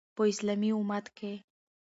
په اسلامي امت کې